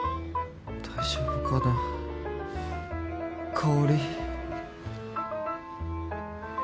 大丈夫かな香。